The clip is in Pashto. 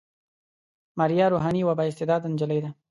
ماريه روحاني يوه با استعداده نجلۍ ده.